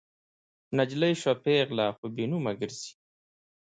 نجلۍ شوه پیغله خو بې نومه ګرزي